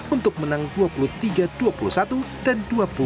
untuk menang dua puluh tiga dua puluh satu dan dua puluh satu dua belas